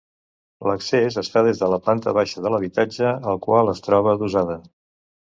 L’accés es fa des de la planta baixa de l’habitatge al qual es troba adossada.